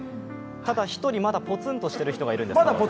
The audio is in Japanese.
ただ１人まだポツンとしている人がいるんです。